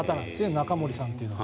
中森さんっていうのが。